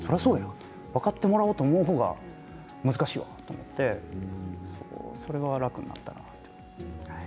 分かってもらおうと思う方が難しいんだと思ってそれは楽になりました。